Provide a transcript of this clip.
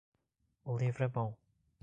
O livro é bom.